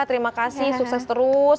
terima kasih sukses terus